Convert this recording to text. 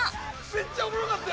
めっちゃおもろかった！